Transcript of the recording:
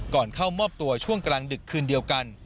เข้ามอบตัวช่วงกลางดึกคืนเดียวกัน